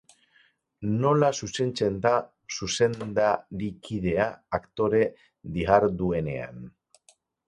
Nola zuzentzen da zuzendarikidea, aktore diharduenean?